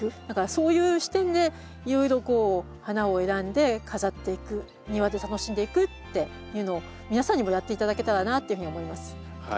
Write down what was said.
だからそういう視点でいろいろこう花を選んで飾っていく庭で楽しんでいくっていうのを皆さんにもやって頂けたらなっていうふうに思います。